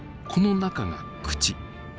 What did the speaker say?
この中が口。